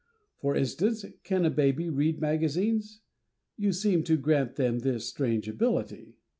For instance, can a baby read magazines? You seem to grant them this strange ability.